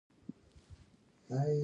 هره اجتماعي پدیده د شرایطو محصول وي.